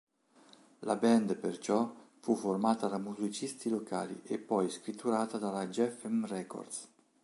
La band, perciò, fu formata da musicisti locali e, poi, scritturata dalla Geffen Records.